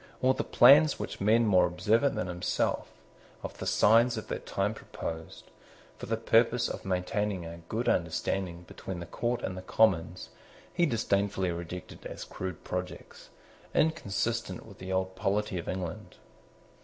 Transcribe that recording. All the plans which men more observant than himself of the signs of that time proposed, for the purpose of maintaining a good understanding between the Court and the Commons, he disdainfully rejected as crude projects, inconsistent with the old polity of England.